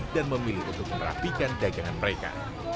dan memilih untuk menerapikan dagangan mereka